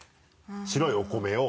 白いお米を。